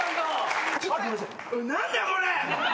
何だよこれ！